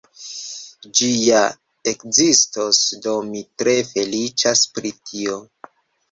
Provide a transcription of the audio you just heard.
Ĝi ja ekzistos, do mi tre feliĉas pri tio